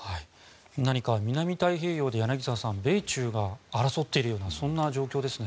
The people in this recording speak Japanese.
何か南太平洋で柳澤さん米中が争っているようなそんな状況ですね。